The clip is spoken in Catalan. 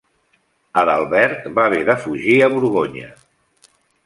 Adalbert va haver de fugir a Borgonya.